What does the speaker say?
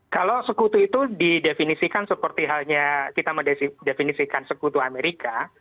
kalau sekutu itu didefinisikan seperti halnya kita mendefinisikan sekutu amerika